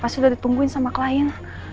pasti udah ditungguin sama klien